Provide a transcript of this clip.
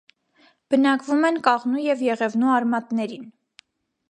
Բնակվում են կաղնու և եղևնու արմատներին։